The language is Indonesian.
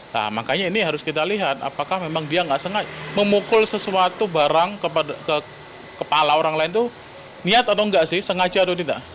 nah makanya ini harus kita lihat apakah memang dia nggak sengaja memukul sesuatu barang ke kepala orang lain itu niat atau enggak sih sengaja atau tidak